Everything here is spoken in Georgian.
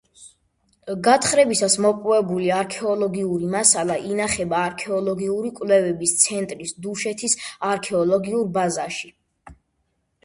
გათხრებისას მოპოვებული არქეოლოგიური მასალა ინახება არქეოლოგიური კვლევების ცენტრის დუშეთის არქეოლოგიურ ბაზაში.